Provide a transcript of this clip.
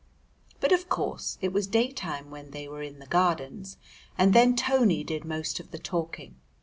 But of course it was daytime when they were in the Gardens, and then Tony did most of the talking.